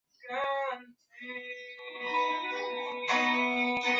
槽茎凤仙花是凤仙花科凤仙花属的植物。